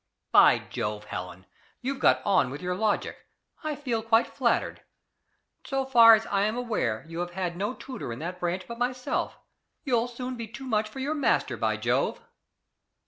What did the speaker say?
"By Jove, Helen! you've got on with your logic. I feel quite flattered! So far as I am aware you have had no tutor in that branch but myself! You'll soon be too much for your master, by Jove!"